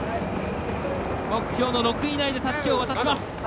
目標の６位以内でたすきを渡します。